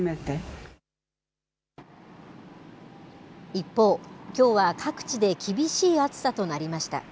一方、きょうは各地で厳しい暑さとなりました。